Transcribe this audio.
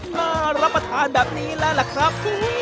น่ารับประทานแบบนี้แล้วล่ะครับ